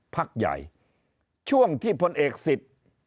พักใหญ่ช่วงที่พลเอกสิทธิ์